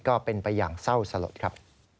ก็เป็นไปอย่างเศร้าสลดครับ